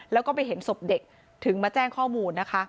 แล้วก็ไปเห็นศพเด็กถึงมาแจ้งข้อมูลนะคะ